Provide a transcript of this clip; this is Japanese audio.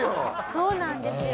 そうなんですよ。